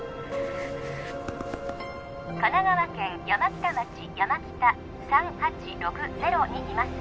神奈川県山北町山北３８６０にいます